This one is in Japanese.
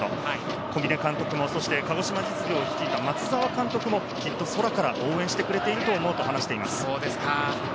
小嶺監督も、そして鹿児島実業を率いた松澤監督もきっと空から応援してくれていると思うと話しています。